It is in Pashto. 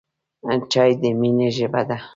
چای د مینې ژبه ده.